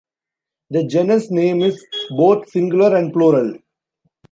The genus name is both singular and plural.